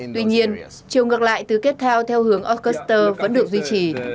tuy nhiên chiều ngược lại từ cape town theo hướng orkester vẫn được duy trì